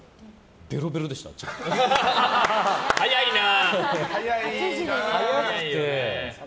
ベロベロでした。早くて。